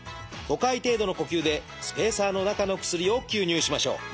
５回程度の呼吸でスペーサーの中の薬を吸入しましょう。